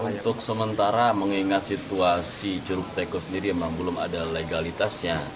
untuk sementara mengingat situasi curug teko sendiri memang belum ada legalitasnya